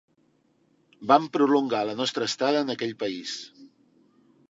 Vam prolongar la nostra estada en aquell país.